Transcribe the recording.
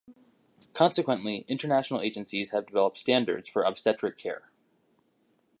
Consequently, international agencies have developed standards for obstetric care.